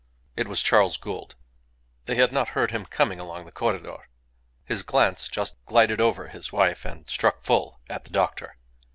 It was Charles Gould. They had not heard him coming along the corredor. His glance just glided over his wife and struck full at the doctor.